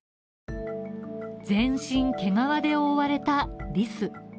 全身毛皮で覆われたリス。